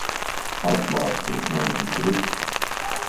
Atslābsti, es neesmu kruķis.